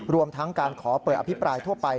รวมทั้งการขอเปิดอภิปรายทั่วไป